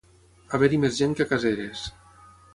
Haver-hi més gent que a Caseres.